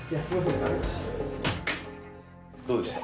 どうでした？